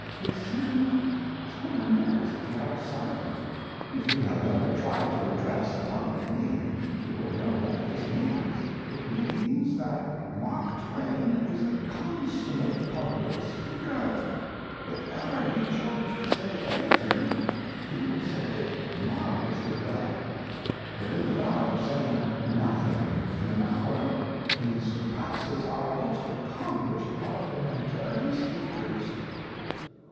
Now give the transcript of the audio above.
It seemed ten minutes at the outside. If you have ever tried to address a public meeting, you will know what this means. It means that Mark Twain is a consummate public speaker. If ever he chose to say anything, he would say it marvellously well; but in the art of saying nothing in an hour, he surpasses our most accomplished parliamentary speakers."